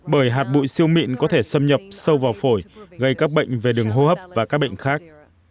bởi hạt bụi siêu mịn có thể xâm nhập sâu vào phổi gây các bệnh về đường hô hấp và các bệnh khác